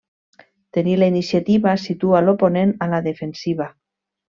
Tenir la iniciativa situa l'oponent a la defensiva.